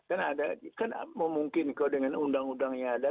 kan ada kan memungkinkan dengan undang undangnya ada